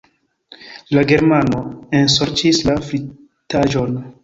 La Germano ensorĉis la fritaĵon.